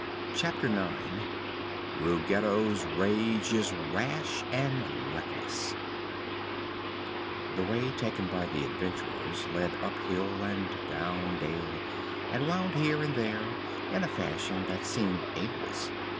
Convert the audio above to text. Chapter Nine Ruggedo's Rage is Rash and Reckless The way taken by the adventurers led up hill and down dale and wound here and there in a fashion that seemed aimless.